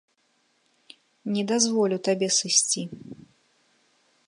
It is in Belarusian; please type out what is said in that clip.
Не дазволю табе сысці.